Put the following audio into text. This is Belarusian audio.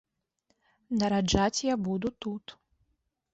Нараджаць я буду тут.